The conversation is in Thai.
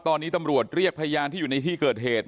ตอนนี้ตำรวจเรียกพยานที่อยู่ในที่เกิดเหตุ